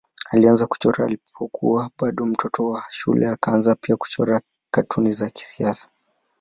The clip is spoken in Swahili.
Alianza kuchora alipokuwa bado mtoto wa shule akaanza pia kuchora katuni za kisiasa.